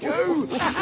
ハハハ！